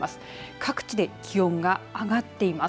各地で気温が上がっています。